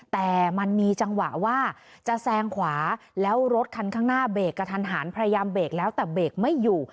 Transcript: แต่มันมีจังหวะว่าจะแซงขวาแล้วรถคันข้างหน้าเบรกกระทันหันพยายามเบรกแล้วแต่เบรกไม่อยู่